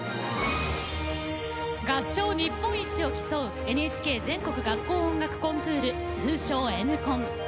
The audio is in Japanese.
合唱日本一を競うＮＨＫ全国学校音楽コンクール通称Ｎコン。